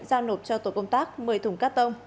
giao nộp cho tổ công tác một mươi thùng cát tông